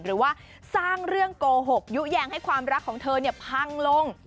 หรือว่าสร้างเรื่องโกหกยุแยงให้ความรักของเธอพังลง